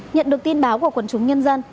nhận được tin báo của quần chúng nhân dân